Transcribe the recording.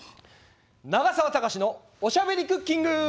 「永沢たかしのおしゃべりクッキング」！